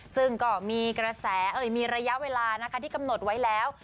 ซึ่งก็มีกระแสมีระยะเวลานะคะที่กำหนดไว้แล้ว